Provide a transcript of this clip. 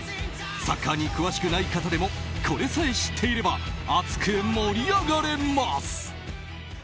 サッカーに詳しくない方でもこれさえ知っていれば熱く盛り上がれます。